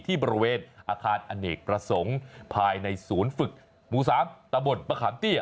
ที่บริเวณอาคารอเนกประสงค์ภายในศูนย์ฝึกหมู่๓ตะบดมะขามเตี้ย